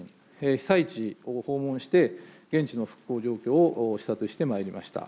被災地を訪問して、現地の復興状況を視察してまいりました。